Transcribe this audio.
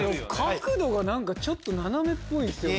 角度がちょっと斜めっぽいんすよね。